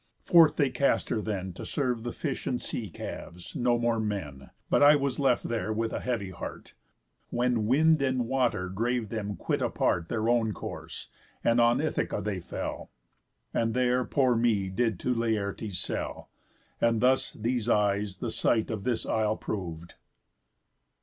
Forth they cast her then To serve the fish and sea calves, no more men; But I was left there with a heavy heart; When wind and water drave them quit apart Their own course, and on Ithaca they fell, And there poor me did to Laertes sell. And thus these eyes the sight of this isle prov'd."